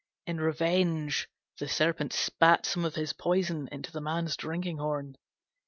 In revenge the Serpent spat some of his poison into the man's drinking horn.